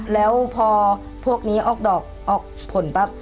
แล้วพอพวกนี้ออกผลปุ่นปั๊บ